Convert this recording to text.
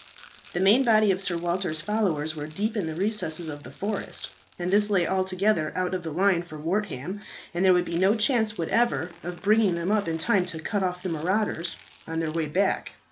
The main body of Sir Walter's followers were deep in the recesses of the forest, and this lay altogether out of the line for Wortham, and there would be no chance whatever of bringing them up in time to cut off the marauders on their way back.